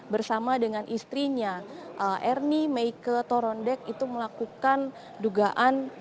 bersama dengan istrinya ernie meike torondek itu melakukan dugaan